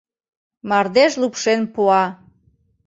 Мардеж лупшен пуа.